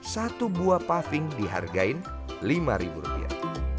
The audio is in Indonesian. satu buah paving dihargain lima rupiah